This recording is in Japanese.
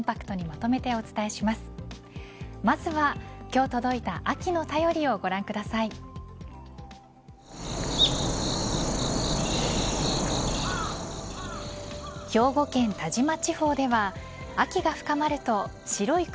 まずは今日届いた秋の便りをご覧ください。